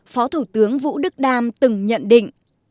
phó thủ tướng vũ đức đam từng nhận định